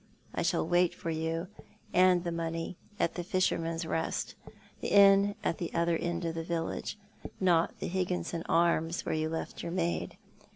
I shall wait for you and the money at the Fisherman's Eest — the inn at the other end of the village — not the Higginson Arms, where you left your maid.